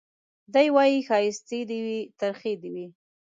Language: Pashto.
دی وايي ښايستې دي وي ترخې دي وي